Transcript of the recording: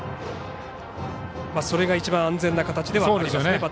それが一番安全ですね